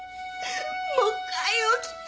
もう１回起きて。